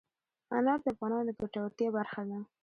انار د افغانانو د ګټورتیا برخه ده.